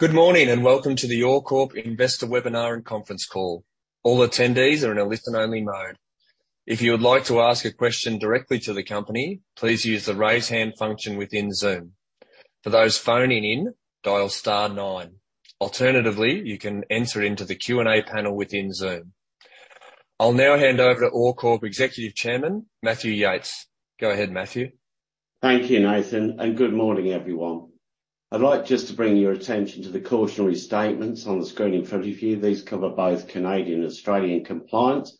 Good morning, and welcome to the OreCorp Investor Webinar and conference call. All attendees are in a listen-only mode. If you would like to ask a question directly to the company, please use the Raise Hand function within Zoom. For those phoning in, dial star nine. Alternatively, you can enter into the Q&A panel within Zoom. I'll now hand over to OreCorp Executive Chairman, Matthew Yates. Go ahead, Matthew. Thank you, Nathan. Good morning, everyone. I'd like just to bring your attention to the cautionary statements on the screen in front of you. These cover both Canadian and Australian compliance.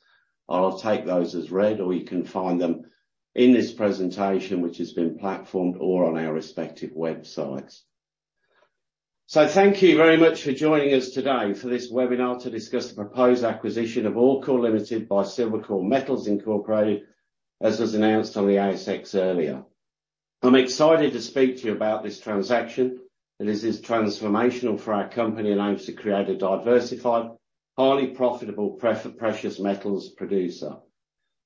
I'll take those as read, or you can find them in this presentation, which has been platformed or on our respective websites. Thank you very much for joining us today for this webinar to discuss the proposed acquisition of OreCorp Limited by Silvercorp Metals, Incorporated, as was announced on the ASX earlier. I'm excited to speak to you about this transaction. This is transformational for our company and aims to create a diversified, highly profitable precious metals producer.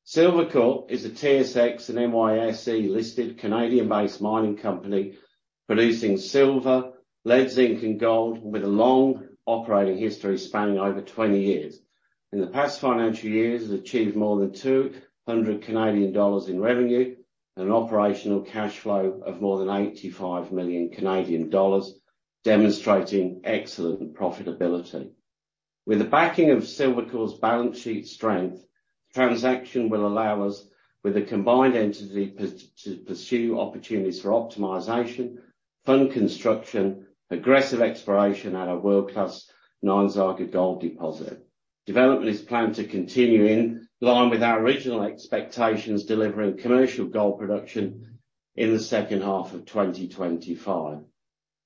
Silvercorp is a TSX and NYSE-listed Canadian-based mining company, producing silver, lead, zinc, and gold, with a long operating history spanning over 20 years. In the past financial years, it has achieved more than 200 Canadian dollars in revenue and an operational cash flow of more than 85 million Canadian dollars, demonstrating excellent profitability. With the backing of Silvercorp's balance sheet strength, the transaction will allow us, with a combined entity, to pursue opportunities for optimization, fund construction, aggressive exploration at a world-class Nyanzaga Gold Project. Development is planned to continue in line with our original expectations, delivering commercial gold production in the second half of 2025.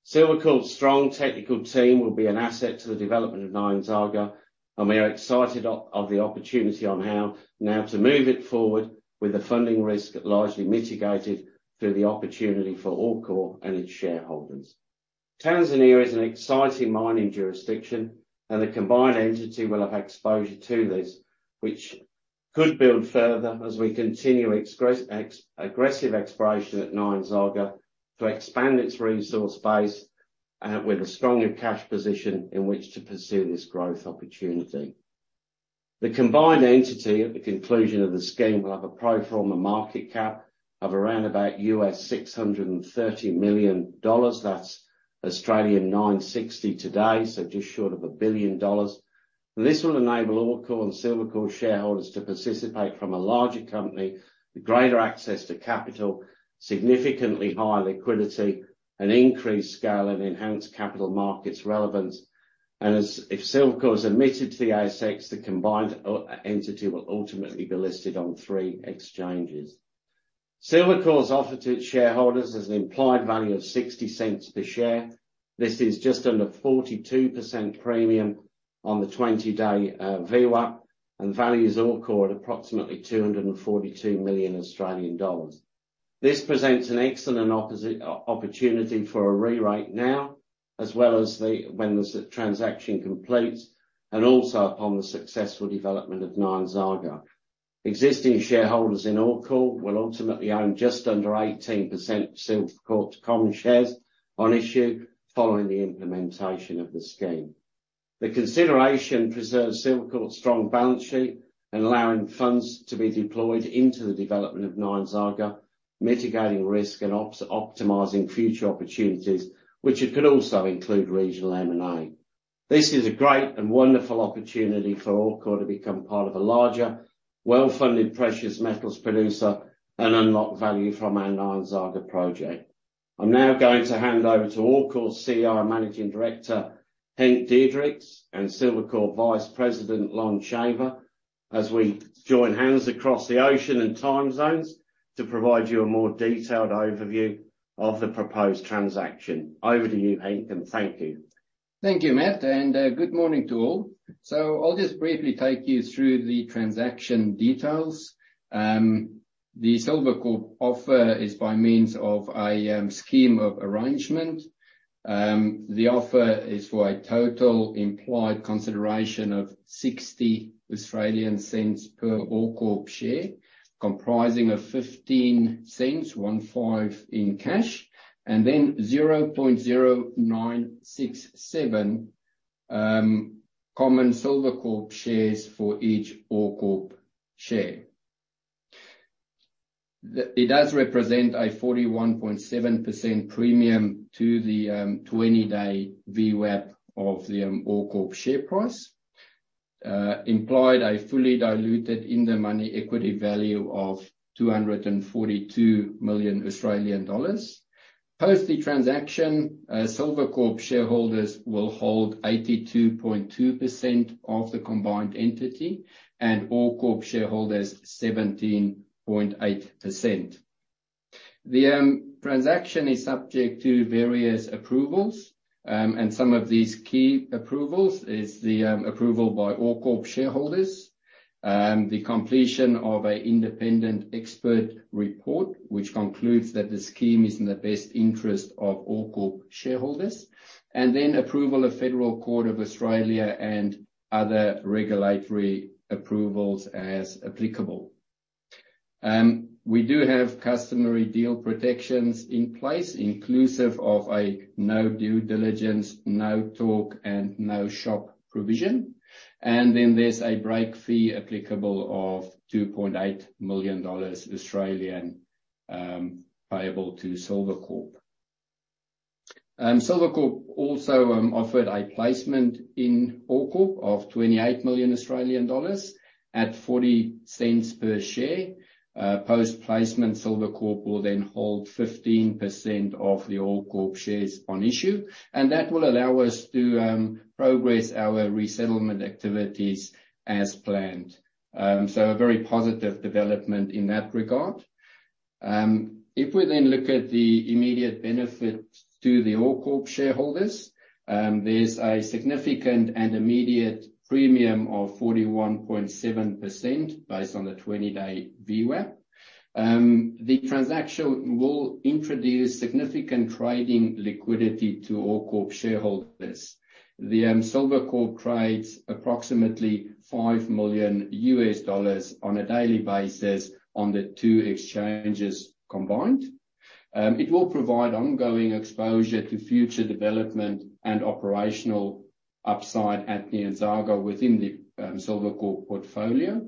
Silvercorp's strong technical team will be an asset to the development of Nyanzaga, and we are excited of the opportunity on how now to move it forward with the funding risk largely mitigated through the opportunity for OreCorp and its shareholders. Tanzania is an exciting mining jurisdiction, and the combined entity will have exposure to this, which could build further as we continue aggressive exploration at Nyanzaga to expand its resource base, with a stronger cash position in which to pursue this growth opportunity. The combined entity, at the conclusion of the scheme, will have a pro forma market cap of around about $630 million. That's 960 today, so just short of $1 billion. This will enable OreCorp and Silvercorp shareholders to participate from a larger company, with greater access to capital, significantly higher liquidity, and increased scale and enhanced capital markets relevance. If Silvercorp is admitted to the ASX, the combined entity will ultimately be listed on three exchanges. Silvercorp's offer to its shareholders is an implied value of 0.60 per share. This is just under 42% premium on the 20-day VWAP, and values OreCorp at approximately 242 million Australian dollars. This presents an excellent opportunity for a rewrite now, as well as the... when this transaction completes, and also upon the successful development of Nyanzaga. Existing shareholders in OreCorp will ultimately own just under 18% of Silvercorp's common shares on issue following the implementation of the scheme. The consideration preserves Silvercorp's strong balance sheet and allowing funds to be deployed into the development of Nyanzaga, mitigating risk and optimizing future opportunities, which it could also include regional M&A. This is a great and wonderful opportunity for OreCorp to become part of a larger, well-funded precious metals producer and unlock value from our Nyanzaga project. I'm now going to hand over to OreCorp's CEO and Managing Director, Henk Diederichs, and Silvercorp Vice President, Lon Shaver, as we join hands across the ocean and time zones to provide you a more detailed overview of the proposed transaction. Over to you, Henk, and thank you. Thank you, Matt, and, good morning to all. I'll just briefly take you through the transaction details. The Silvercorp offer is by means of a scheme of arrangement. The offer is for a total implied consideration of 0.60 per OreCorp share, comprising of 0.15 in cash, and then 0.0967 common Silvercorp shares for each OreCorp share. It does represent a 41.7% premium to the 20-day VWAP of the OreCorp share price. Implied a fully diluted in-the-money equity value of 242 million Australian dollars. Post the transaction, Silvercorp shareholders will hold 82.2% of the combined entity, and OreCorp shareholders, 17.8%. The transaction is subject to various approvals, and some of these key approvals is the approval by OreCorp shareholders, the completion of a independent expert report, which concludes that the scheme is in the best interest of OreCorp shareholders, and then approval of Federal Court of Australia and other regulatory approvals as applicable. We do have customary deal protections in place, inclusive of a no due diligence, no talk, and no shop provision. Then there's a break fee applicable of 2.8 million Australian dollars, payable to Silvercorp. Silvercorp also offered a placement in OreCorp of 28 million Australian dollars at 0.40 per share. Post-placement, Silvercorp will then hold 15% of the OreCorp shares on issue, and that will allow us to progress our resettlement activities as planned. A very positive development in that regard. If we then look at the immediate benefits to the OreCorp shareholders, there's a significant and immediate premium of 41.7% based on the 20-day VWAP. The transaction will introduce significant trading liquidity to OreCorp shareholders. The Silvercorp trades approximately $5 million on a daily basis on the two exchanges combined. It will provide ongoing exposure to future development and operational upside at Nyanzaga within the Silvercorp portfolio.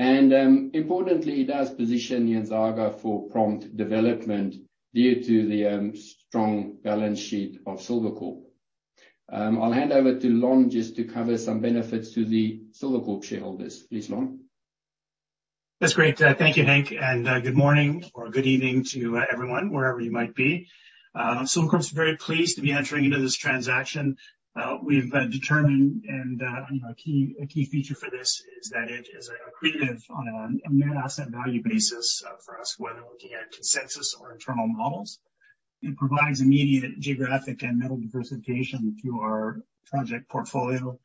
Importantly, it does position Nyanzaga for prompt development due to the strong balance sheet of Silvercorp. I'll hand over to Lon just to cover some benefits to the Silvercorp shareholders. Please, Lon. That's great. Thank you, Henk, and good morning or good evening to everyone, wherever you might be. Silvercorp's very pleased to be entering into this transaction. We've been determined, and, you know, a key, a key feature for this is that it is accretive on a net asset value basis for us, whether looking at consensus or internal models. It provides immediate geographic and metal diversification to our project portfolio.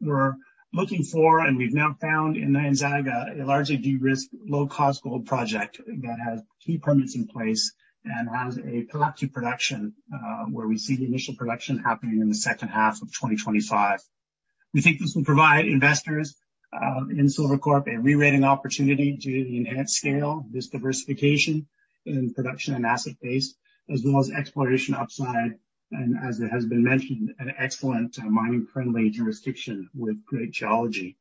We're looking for, and we've now found in Nyanzaga, a largely de-risked, low-cost gold project that has key permits in place and has a path to production, where we see the initial production happening in the second half of 2025. We think this will provide investors, in Silvercorp a rerating opportunity due to the enhanced scale, this diversification in production and asset base, as well as exploration upside, as it has been mentioned, an excellent mining-friendly jurisdiction with great geology.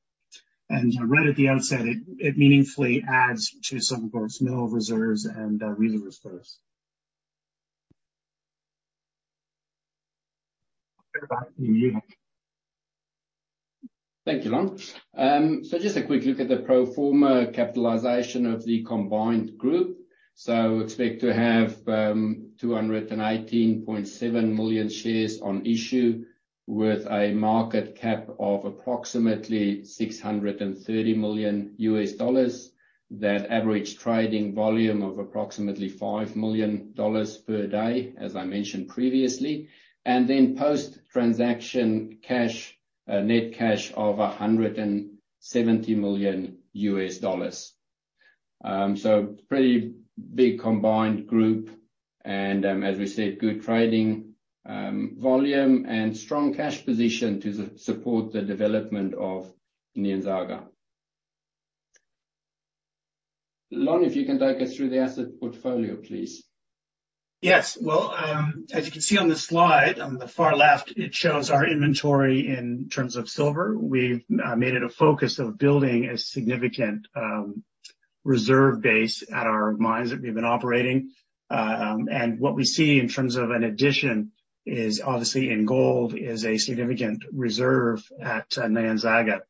Right at the outset, it, it meaningfully adds to Silvercorp's mineral reserves and resource first. Back to you, Henk. Thank you, Lon. Just a quick look at the pro forma capitalization of the combined group. Expect to have 218.7 million shares on issue with a market cap of approximately $630 million. That average trading volume of approximately $5 million per day, as I mentioned previously, and then post-transaction cash, net cash of $170 million. Pretty big combined group, and as we said, good trading volume and strong cash position to support the development of Nyanzaga. Lon, if you can take us through the asset portfolio, please. Yes. Well, as you can see on the slide, on the far left, it shows our inventory in terms of silver. We've made it a focus of building a significant reserve base at our mines that we've been operating. What we see in terms of an addition is obviously in gold, is a significant reserve at Nyanzaga.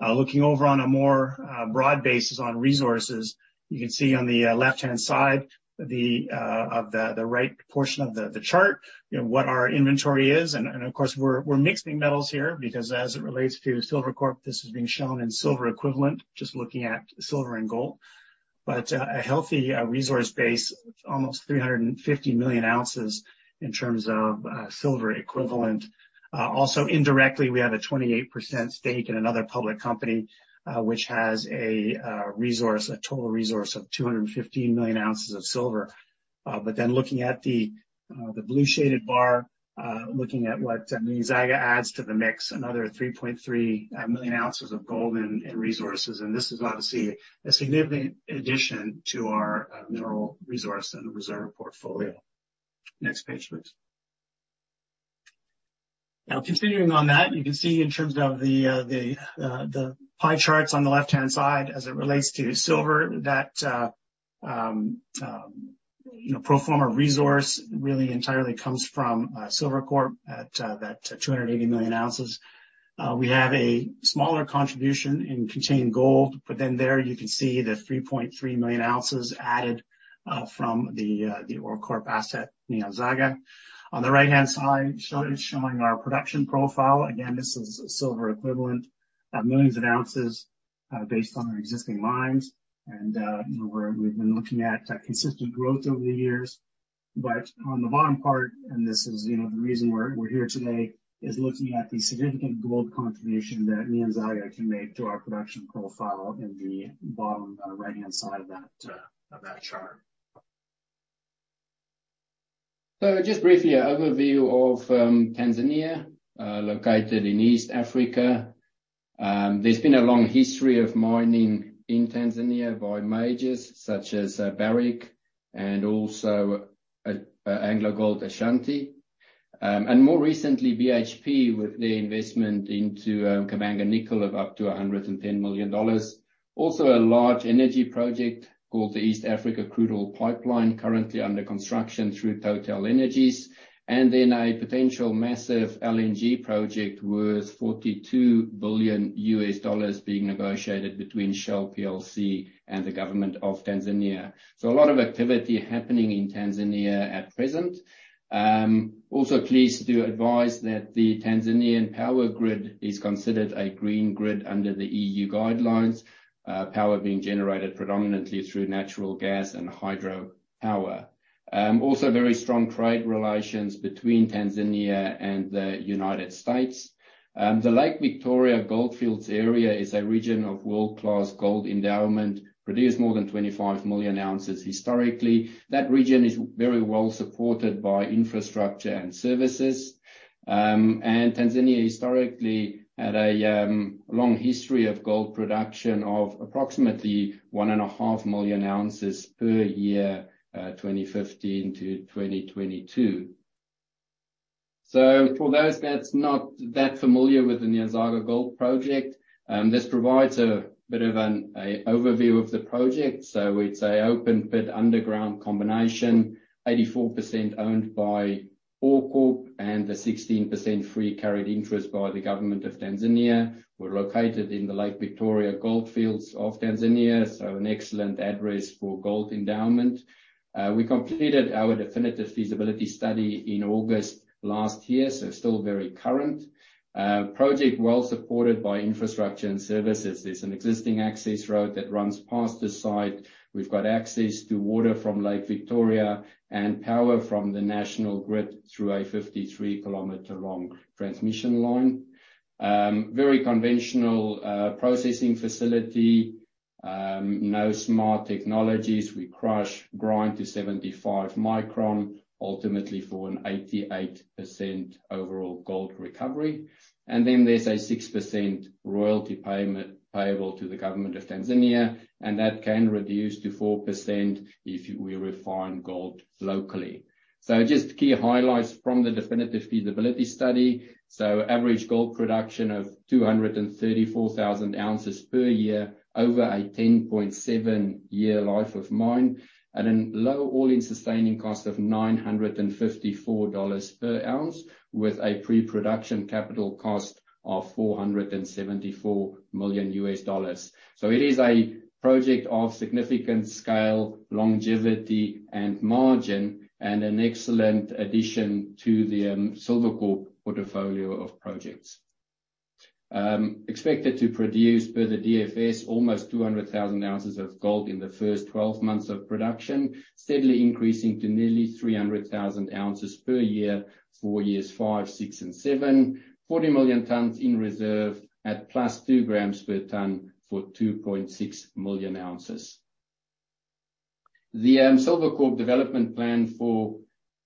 Looking over on a more broad basis on resources, you can see on the left-hand side, the of the, the right portion of the, the chart, you know, what our inventory is. Of course, we're mixing metals here, because as it relates to Silvercorp, this is being shown in silver equivalent, just looking at silver and gold. A healthy resource base, almost 350 million ounces in terms of silver equivalent. Also indirectly, we have a 28% stake in another public company, which has a resource, a total resource of 215 million ounces of silver. Looking at the blue-shaded bar, looking at what Nyanzaga adds to the mix, another 3.3 million ounces of gold and resources. This is obviously a significant addition to our mineral resource and reserve portfolio. Next page, please. Continuing on that, you can see in terms of the pie charts on the left-hand side as it relates to silver, that, you know, pro forma resource really entirely comes from Silvercorp at that 280 million ounces. We have a smaller contribution in contained gold, but then there you can see the 3.3 million ounces added from the OreCorp asset, Nyanzaga. On the right-hand side, showing our production profile, again, this is silver equivalent, millions of ounces, based on our existing mines. You know, we've been looking at consistent growth over the years. On the bottom part, and this is, you know, the reason we're here today, is looking at the significant gold contribution that Nyanzaga can make to our production profile in the bottom right-hand side of that chart. Just briefly, an overview of Tanzania, located in East Africa. There's been a long history of mining in Tanzania by majors such as Barrick and also AngloGold Ashanti. More recently, BHP, with the investment into Kilembe Nickel of up to $110 million. Also, a large energy project called the East Africa Crude Oil Pipeline, currently under construction through TotalEnergies, and then a potential massive LNG project worth $42 billion being negotiated between Shell plc and the government of Tanzania. A lot of activity happening in Tanzania at present. Also pleased to advise that the Tanzanian power grid is considered a green grid under the EU guidelines. Power being generated predominantly through natural gas and hydro power. Also very strong trade relations between Tanzania and the United States. The Lake Victoria Goldfields area is a region of world-class gold endowment, produced more than 25 million ounces historically. That region is very well supported by infrastructure and services. Tanzania historically had a long history of gold production of approximately 1.5 million ounces per year, 2015 to 2022. For those that's not that familiar with the Nyanzaga Gold Project, this provides a bit of an, a overview of the project. It's a open pit, underground combination, 84% owned by OreCorp and a 16% free carried interest by the government of Tanzania. We're located in the Lake Victoria Goldfields of Tanzania, so an excellent address for gold endowment. We completed our definitive feasibility study in August last year, so still very current. Project well supported by infrastructure and services. There's an existing access road that runs past the site. We've got access to water from Lake Victoria and power from the national grid through a 53-km-long transmission line. Very conventional processing facility, no smart technologies. We crush, grind to 75 micron, ultimately for an 88% overall gold recovery. There's a 6% royalty payment payable to the government of Tanzania, and that can reduce to 4% if we refine gold locally. Just key highlights from the definitive feasibility study. Average gold production of 234,000 ounces per year over a 10.7 year life of mine, at a low all-in sustaining cost of $954 per ounce, with a pre-production capital cost of $474 million. It is a project of significant scale, longevity, and margin, and an excellent addition to the Silvercorp portfolio of projects. Expected to produce per the DFS, almost 200,000 ounces of gold in the first 12 months of production, steadily increasing to nearly 300,000 ounces per year, years four, five, six, and seven. 40 million tons in reserve at +2 g per ton for 2.6 million ounces. The Silvercorp development plan for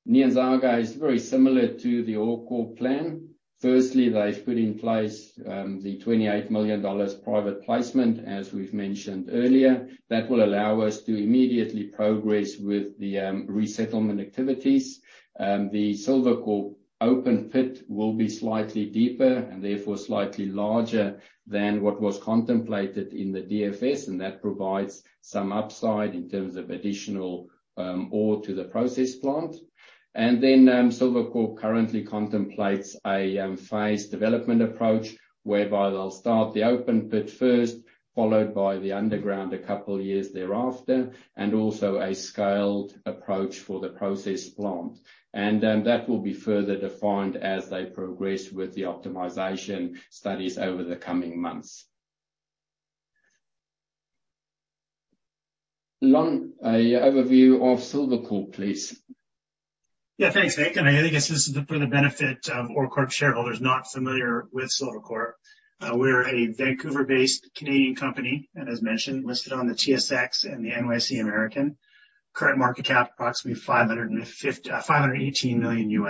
Nyanzaga is very similar to the OreCorp plan. Firstly, they've put in place the $28 million private placement, as we've mentioned earlier. That will allow us to immediately progress with the resettlement activities. The Silvercorp open pit will be slightly deeper and therefore slightly larger than what was contemplated in the DFS, and that provides some upside in terms of additional ore to the process plant. Silvercorp currently contemplates a phase development approach, whereby they'll start the open pit first, followed by the underground a couple years thereafter, and also a scaled approach for the process plant. That will be further defined as they progress with the optimization studies over the coming months. Lon, a overview of Silvercorp, please. Yeah, thanks, Henk. I guess this is for the benefit of OreCorp shareholders not familiar with Silvercorp. We're a Vancouver-based Canadian company, and as mentioned, listed on the TSX and the NYSE American. Current market cap, approximately $518 million.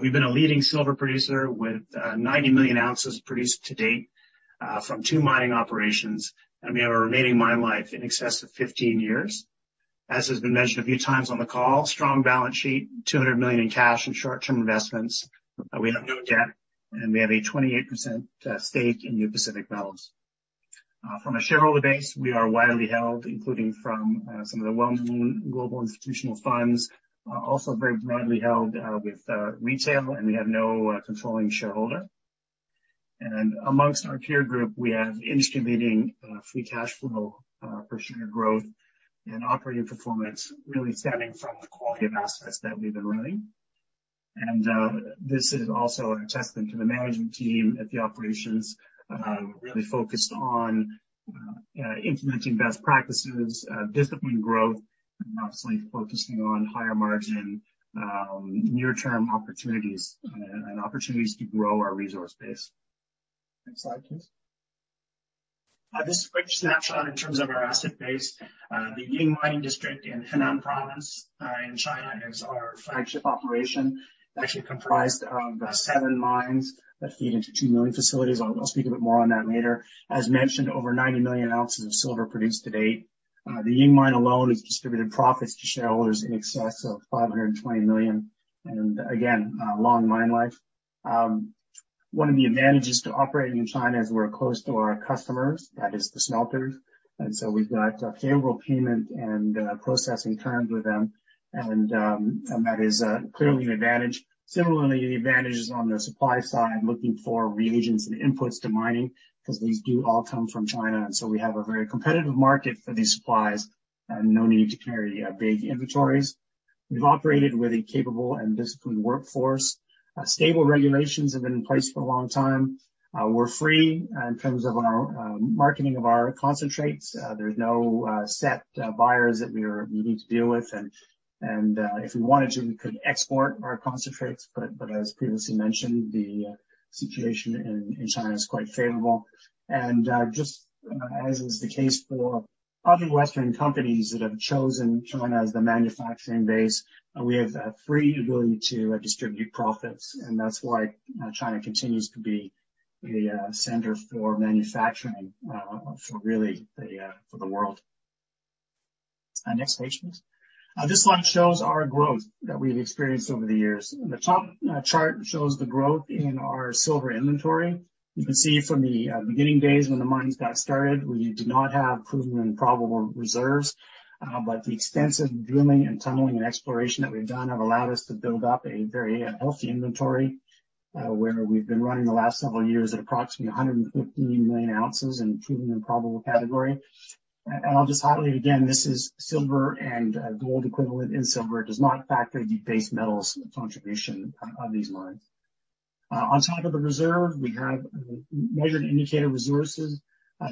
We've been a leading silver producer with 90 million ounces produced to date from two mining operations, and we have a remaining mine life in excess of 15 years. As has been mentioned a few times on the call, strong balance sheet, $200 million in cash and short-term investments. We have no debt, and we have a 28% stake in New Pacific Metals. From a shareholder base, we are widely held, including from some of the well-known global institutional funds. Also very widely held, with retail, and we have no controlling shareholder. Amongst our peer group, we have industry-leading free cash flow per share growth and operating performance, really stemming from the quality of assets that we've been running. This is also a testament to the management team at the operations, really focused on implementing best practices, disciplined growth, and obviously focusing on higher margin near-term opportunities, and opportunities to grow our resource base. Next slide, please. This quick snapshot in terms of our asset base. The Ying mining district in Henan Province, in China, is our flagship operation. Actually comprised of seven mines that feed into two milling facilities. I'll, I'll speak a bit more on that later. As mentioned, over 90 million ounces of silver produced to date. The Ying Mine alone has distributed profits to shareholders in excess of $520 million, and again, long mine life. One of the advantages to operating in China is we're close to our customers, that is the smelters. So we've got a favorable payment and processing terms with them, that is clearly an advantage. Similarly, the advantage is on the supply side, looking for reagents and inputs to mining, because these do all come from China, and so we have a very competitive market for these supplies and no need to carry big inventories. We've operated with a capable and disciplined workforce. Stable regulations have been in place for a long time. We're free in terms of our marketing of our concentrates. There's no set buyers that we are we need to deal with, and if we wanted to, we could export our concentrates, but as previously mentioned, the situation in China is quite favorable. Just as is the case for other Western companies that have chosen China as the manufacturing base, we have a free ability to distribute profits, and that's why China continues to be a center for manufacturing for really the for the world. Next page, please. This slide shows our growth that we've experienced over the years. The top chart shows the growth in our silver inventory. You can see from the beginning days when the mines got started, we did not have proven and probable reserves, but the extensive drilling, and tunneling, and exploration that we've done have allowed us to build up a very healthy inventory, where we've been running the last several years at approximately 115 million ounces in proven and probable category. I'll just highlight again, this is silver and gold equivalent, and silver does not factor the base metals contribution of these mines. On top of the reserve, we have measured indicated resources,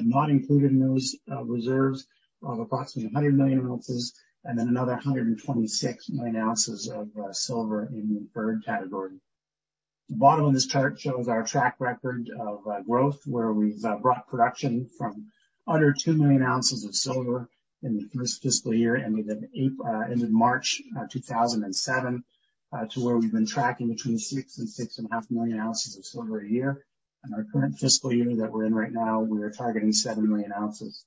not included in those reserves of approximately 100 million ounces, and then another 126 million ounces of silver in the third category. The bottom of this chart shows our track record of growth, where we've brought production from under 2 million ounces of silver in the 1st fiscal year, ended March 2007, to where we've been tracking between 6 and 6.5 million ounces of silver a year. Our current fiscal year that we're in right now, we are targeting 7 million ounces.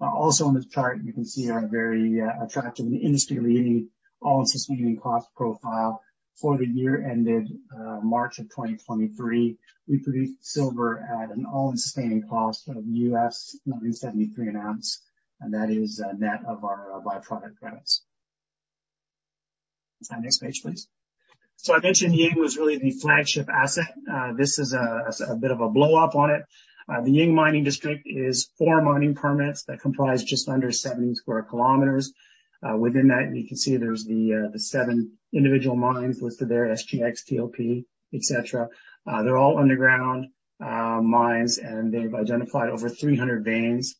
Also on this chart, you can see our very attractive industry-leading all-in sustaining cost profile. For the year ended March 2023, we produced silver at an all-in sustaining cost of $0.97 an ounce, and that is a net of our by-product credits. Next page, please. I mentioned Ying was really the flagship asset. This is a bit of a blow up on it. The Ying mining district is four mining permits that comprise just under 70 sq kms. Within that, you can see there's the seven individual mines listed there, SGX, TLP, et cetera. They're all underground mines, and they've identified over 300 veins.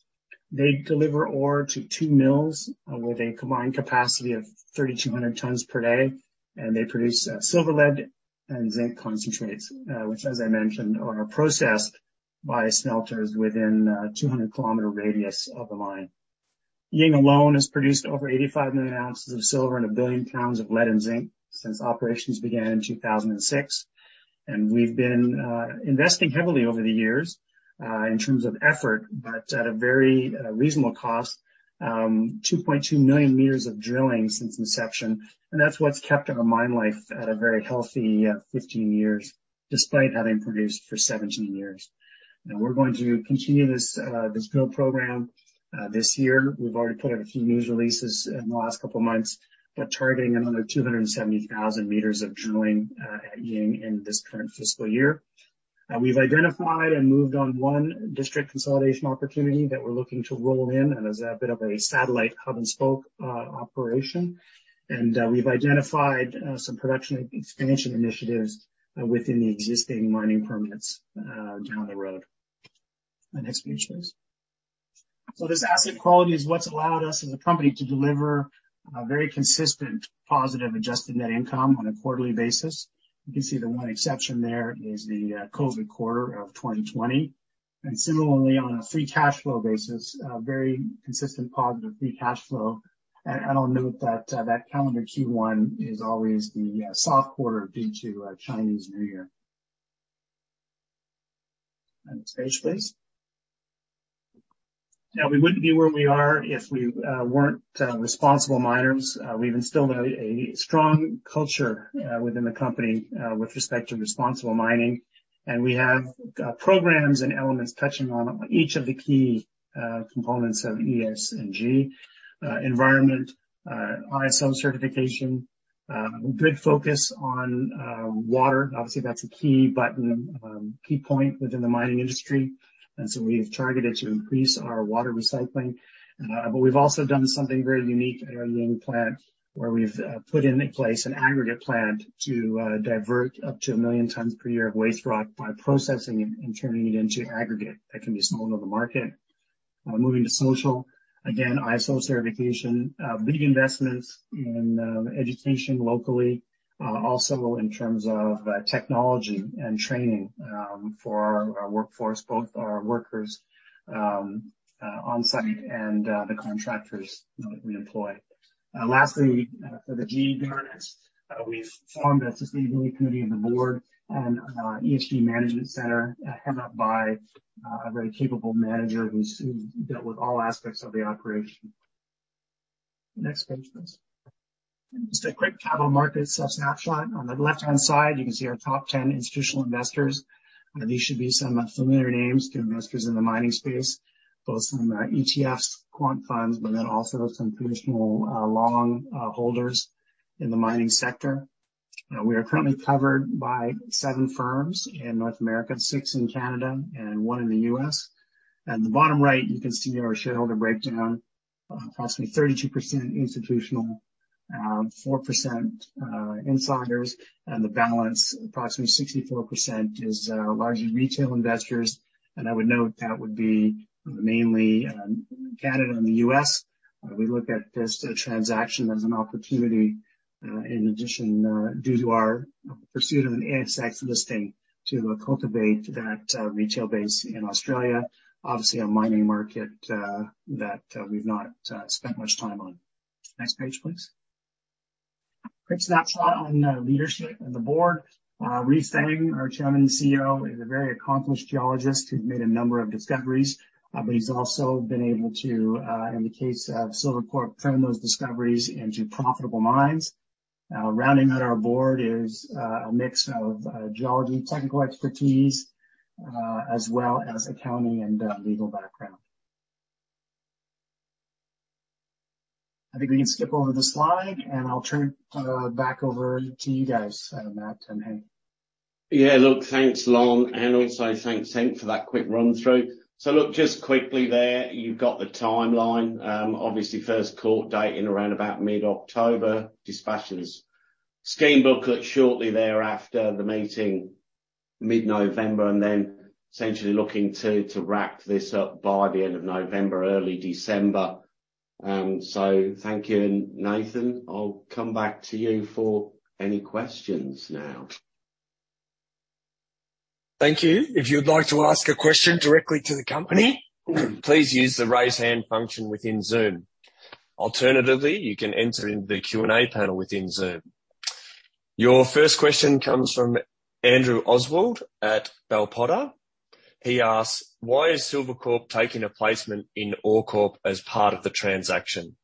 They deliver ore to 2 mills, with a combined capacity of 3,200 tons per day, and they produce silver, lead, and zinc concentrates, which, as I mentioned, are processed by smelters within a 200 km radius of the mine. Ying alone has produced over 85 million ounces of silver and 1 billion pounds of lead and zinc since operations began in 2006. We've been investing heavily over the years, in terms of effort, but at a very reasonable cost, 2.2 million meters of drilling since inception. That's what's kept our mine life at a very healthy 15 years, despite having produced for 17 years. We're going to continue this this build program this year. We've already put out a few news releases in the last couple of months, but targeting another 270,000 m of drilling at Ying in this current fiscal year. We've identified and moved on one district consolidation opportunity that we're looking to roll in and as a bit of a satellite hub and spoke operation. We've identified some production expansion initiatives within the existing mining permits down the road. The next page, please. This asset quality is what's allowed us as a company to deliver a very consistent positive adjusted net income on a quarterly basis. You can see the one exception there is the COVID quarter of 2020, and similarly, on a free cash flow basis, very consistent positive free cash flow. I'll note that calendar Q1 is always the soft quarter due to Chinese New Year. Next page, please. Now, we wouldn't be where we are if we weren't responsible miners. We've instilled a strong culture within the company with respect to responsible mining, and we have programs and elements touching on each of the key components of ESG, environment, ISO certification, good focus on water. Obviously, that's a key button, key point within the mining industry, and so we've targeted to increase our water recycling. We've also done something very unique at our Ying plant, where we've put in place an aggregate plant to divert up to 1 million tons per year of waste rock by processing it and turning it into aggregate that can be sold on the market. Moving to social. Again, ISO certification, big investments in education locally, also in terms of technology and training for our workforce, both our workers on site and the contractors that we employ. Lastly, for the governance, we've formed a Sustainability Committee of the board and ESG management center, head up by a very capable manager who dealt with all aspects of the operation. Next page, please. Just a quick capital market snapshot. On the left-hand side, you can see our top 10 institutional investors. These should be some familiar names to investors in the mining space, both some ETFs, quant funds, but then also some traditional long holders in the mining sector. We are currently covered by seven firms in North America, six in Canada, and one in the U.S. At the bottom right, you can see our shareholder breakdown, approximately 32% institutional, 4% insiders, and the balance, approximately 64%, is largely retail investors. I would note that would be mainly Canada and the U.S. We look at this transaction as an opportunity, in addition, due to our pursuit of an ASX listing, to cultivate that retail base in Australia. Obviously, a mining market that we've not spent much time on. Next page, please. Quick snapshot on leadership and the board. Rui Feng, our chairman and CEO, is a very accomplished geologist. He's made a number of discoveries, but he's also been able to, in the case of Silvercorp Corp, turn those discoveries into profitable mines. Rounding out our board is a mix of geology, technical expertise, as well as accounting and legal background. I think we can skip over the slide, and I'll turn it back over to you guys, Matt and Henk. Yeah, look, thanks, Lon, and also thanks, Henk, for that quick run-through. look, just quickly there, you've got the timeline. obviously, first court date in around about mid-October. Dispatches scheme booklet shortly thereafter, the meeting mid-November, and then essentially looking to, to wrap this up by the end of November, early December. thank you, and Nathan, I'll come back to you for any questions now. Thank you. If you'd like to ask a question directly to the company, please use the Raise Hand function within Zoom. Alternatively, you can enter in the Q&A panel within Zoom. Your first question comes from Andrew Oswald at Bell Potter. He asks, "Why is Silvercorp taking a placement in OreCorp as part of the transaction?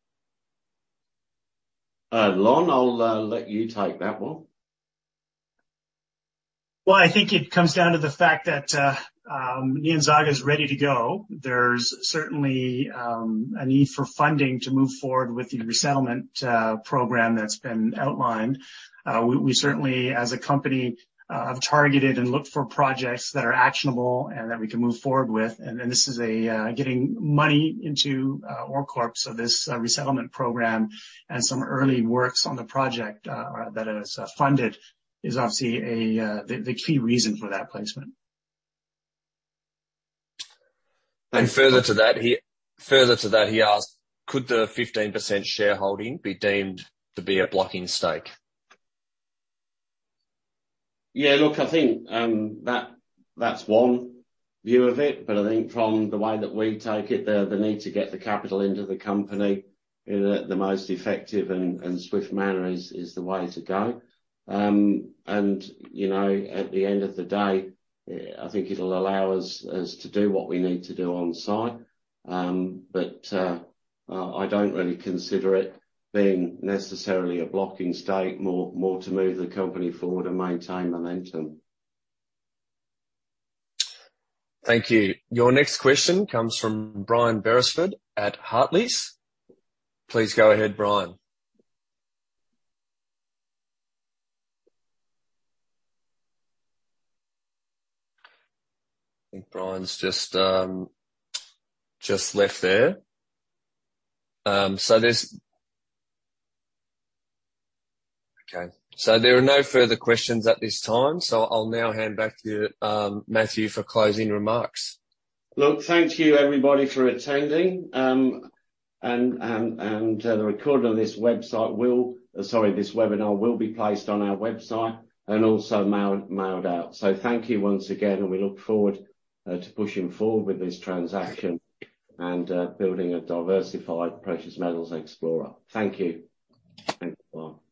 Lon, I'll let you take that one. Well, I think it comes down to the fact that Nyanzaga is ready to go. There's certainly a need for funding to move forward with the resettlement program that's been outlined. We, we certainly, as a company, have targeted and looked for projects that are actionable and that we can move forward with. And this is a getting money into OreCorp, so this resettlement program and some early works on the project that is funded, is obviously a the key reason for that placement. Further to that, he asked, "Could the 15% shareholding be deemed to be a blocking stake? Yeah, look, I think, that, that's one view of it, but I think from the way that we take it, the, the need to get the capital into the company in the, the most effective and, and swift manner is, is the way to go. You know, at the end of the day, I think it'll allow us, us to do what we need to do on site. I don't really consider it being necessarily a blocking stake. More, more to move the company forward and maintain momentum. Thank you. Your next question comes from Brian Beresford at Hartleys. Please go ahead, Brian. I think Brian's just, just left there. Okay, there are no further questions at this time, so I'll now hand back to you, Matthew, for closing remarks. Look, thank you, everybody, for attending. And the recording on this website will. Sorry, this webinar will be placed on our website and also mailed out. Thank you once again, and we look forward to pushing forward with this transaction and building a diversified precious metals explorer. Thank you. Thanks, Lon. Thank you.